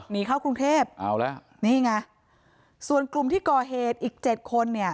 หนีเข้ากรุงเทพฯนี่ไงส่วนกลุ่มที่ก่อเห็ดอีก๗คนเนี่ย